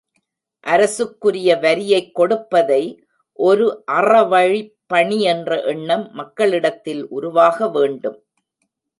அரசுக்குரிய வரியைக் கொடுப்பதை ஒரு அறவழிப் பணி என்ற எண்ணம் மக்களிடத்தில் உருவாக வேண்டும்.